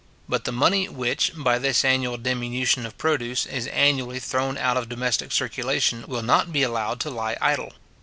But the money which, by this annual diminution of produce, is annually thrown out of domestic circulation, will not be allowed to lie idle.